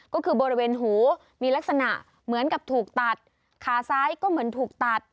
ก็คือบริเวณหูมีลักษณะเหมือนกับถูกตัดขาซ้ายก็เหมือนถูกตัด